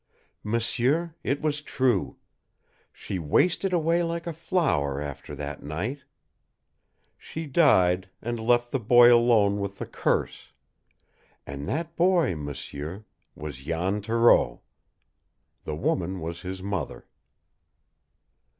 "M'sieur, it was true. She wasted away like a flower after that night. She died, and left the boy alone with the curse. And that boy, m'sieur, was Jan Thoreau. The woman was his mother."